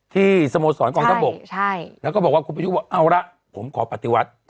ที่สโมสรกองท่าบกแล้วก็บอกว่าคุณประชุมเอาล่ะผมขอปฏิวัติ